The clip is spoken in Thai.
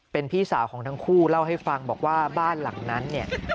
เป็นพี่สาวของทั้งคู่เล่าให้ฟังบอกว่าบ้านหลังนั้นเนี่ย